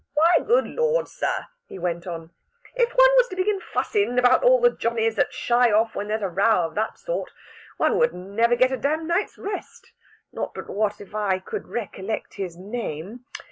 "Why, good Lard, sir!" he went on, "if one was to begin fussin' about all the Johnnies that shy off when there's a row of that sort, one would never get a dam night's rest! Not but what if I could recollect his name.